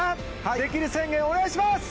できる宣言お願いします。